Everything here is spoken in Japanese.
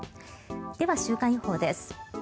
では、週間予報です。